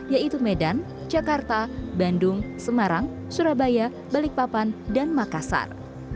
yaitu medan jakarta bandung semarang surabaya balikpapan dan makassar